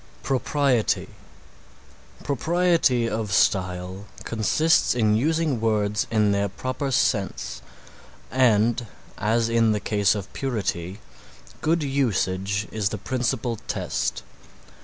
PROPRIETY Propriety of style consists in using words in their proper sense and as in the case of purity, good usage is the principal test.